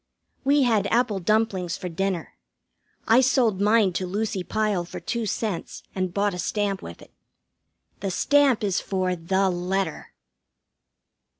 We had apple dumplings for dinner. I sold mine to Lucy Pyle for two cents, and bought a stamp with it. The stamp is for The Letter.